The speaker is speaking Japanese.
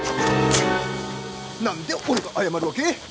何で俺が謝るわけ？